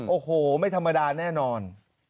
โอ้โหไม่ธรรมดาแน่นอน